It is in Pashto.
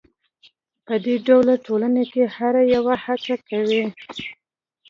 په دې ډول ټولنو کې هر یو هڅه کوي